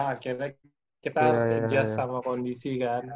akhirnya kita harus adjust sama kondisi kan